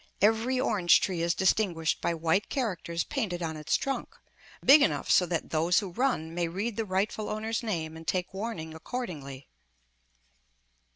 Every orange tree is distinguished by white characters painted on its trunk, big enough so that those who run may read the rightful owner's name and take warning accordingly.